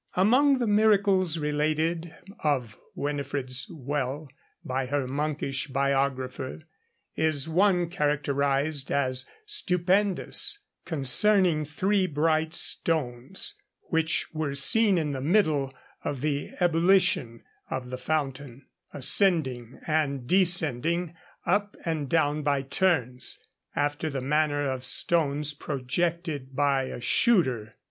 Among the miracles related of Winifred's well by her monkish biographer is one characterized as 'stupendous,' concerning three bright stones which were seen in the middle of the ebullition of the fountain, ascending and descending, 'up and down by turns, after the manner of stones projected by a shooter.'